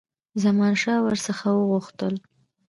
زمانشاه ور څخه وغوښتل.